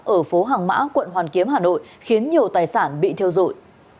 ở phố hàng mã quận hoàn kiếm hà nội khiến nhiều tài sản bị thiêu rụi